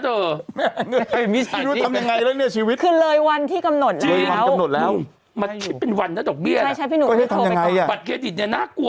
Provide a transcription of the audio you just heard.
เธอบัตรเกดิตนี่มันตัดตัดมาดอกเบี้ยเป็นวันนะเถอะ